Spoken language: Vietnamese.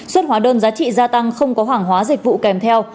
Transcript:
suất hóa đơn giá trị gia tăng không có hàng hóa dịch vụ kèm theo